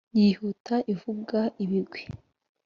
Yihuta ivuga ibigwi,